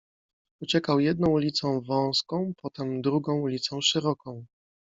Uciekał jedną ulicą wąską, potem drugą ulicą szeroką.